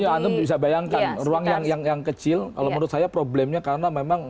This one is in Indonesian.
tapi anda bisa bayangkan ruang yang kecil kalau menurut saya problemnya karena memang